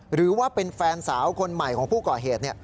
หรือว่าเป็นแฟนสาวคนใหม่ของผู้ก่อเหตุ